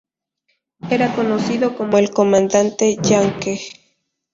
Era conocido como el ¨"Comandante Yankee"¨.